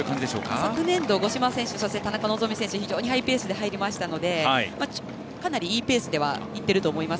昨年度、田中希実などが非常にハイペースで入りましたのでかなりいいペースで入っていると思います。